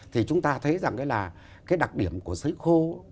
thì chúng ta thấy rằng là cái đặc điểm của xấy khô